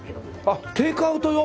あっテイクアウト用？